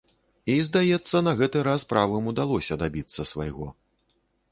І, здаецца, на гэты раз правым удалося дабіцца свайго.